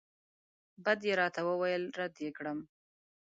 بد یې راته وویل رد یې کړم.